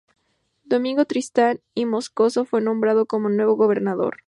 Domingo Tristán y Moscoso fue nombrado como nuevo gobernador.